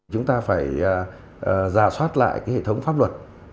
chúng ta phải giả soát lại cái hệ thống pháp luật